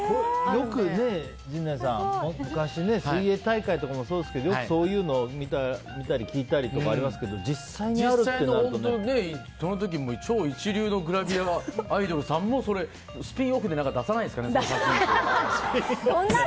よく陣内さん、昔水泳大会とかもそうですけどよくそう言うのを見たり聞いたりとかありましたけど実際となるとその時も超一流のグラビアアイドルさんもスピンオフとかで出さないですかね。